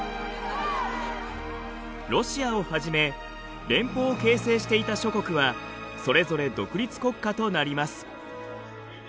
ロシアをはじめ連邦を形成していた諸国はそれぞれ独立国家となります。